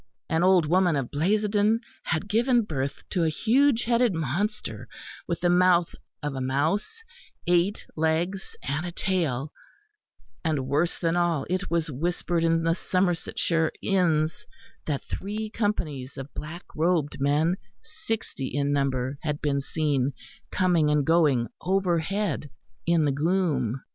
An old woman of Blasedon had given birth to a huge headed monster with the mouth of a mouse, eight legs, and a tail; and, worse than all, it was whispered in the Somersetshire inns that three companies of black robed men, sixty in number, had been seen, coming and going overhead in the gloom.